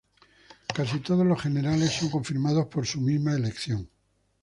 Casi todos los generales son confirmados por su misma elección.